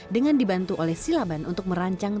dengan dibantu oleh silaban untuk merancang